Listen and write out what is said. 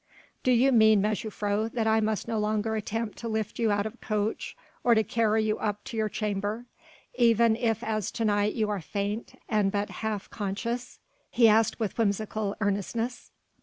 "Do you mean, mejuffrouw, that I must no longer attempt to lift you out of a coach or to carry you up to your chamber, even if as to night you are faint and but half conscious?" he asked with whimsical earnestness.